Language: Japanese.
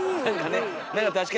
何かね